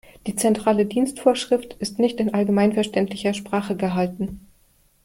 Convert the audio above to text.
Die Zentrale Dienstvorschrift ist nicht in allgemeinverständlicher Sprache gehalten.